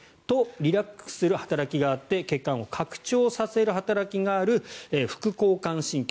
リラックスる働きがあって血管を拡張させる働きがある副交感神経。